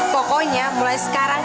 pokoknya mulai sekarang